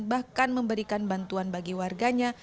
bahkan memberikan bantuan bagi warganya